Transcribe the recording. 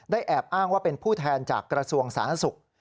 แอบอ้างว่าเป็นผู้แทนจากกระทรวงสาธารณสุข